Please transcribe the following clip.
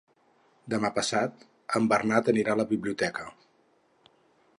Demà passat en Bernat anirà a la biblioteca.